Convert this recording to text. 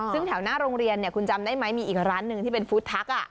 ซึ่งแถวหน้าโรงเรียนคุณจำได้ไหมมีอีกร้านหนึ่งที่เป็นฟู้ดทัก